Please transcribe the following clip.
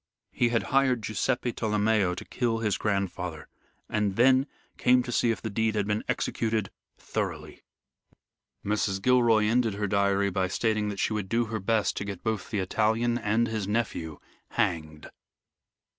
He had hired Guiseppe Tolomeo to kill his grandfather, and then came to see if the deed had been executed thoroughly. Mrs. Gilroy ended her diary by stating that she would do her best to get both the Italian and his nephew hanged.